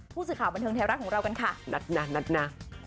ผู้สื่อข่าวบันเทิงไทยรัฐของเรากันค่ะนัดนะนัดนะ